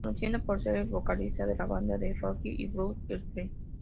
Conocido por ser el vocalista de la banda de rock y blues El Tri.